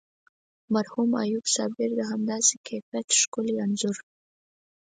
مرحوم ایوب صابر د همداسې کیفیت انځور کښلی.